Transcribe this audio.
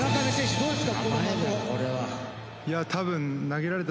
どうですか？